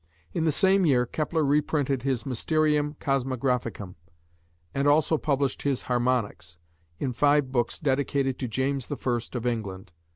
In the same year Kepler reprinted his "Mysterium Cosmographicum," and also published his "Harmonics" in five books dedicated to James I of England.